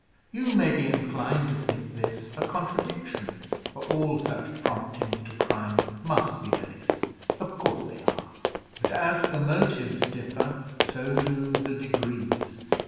You may be inclined to think this a contradiction, for all such promptings to crime must be base. Of course they are; but as the motives differ, so do the degrees.